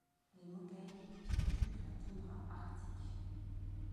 Les Mokai occupent la toundra arctique.